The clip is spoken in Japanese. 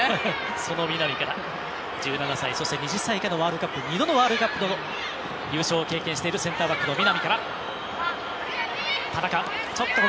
その南から１７歳、そして２０歳以下のワールドカップ２度のワールドカップの優勝を経験している南。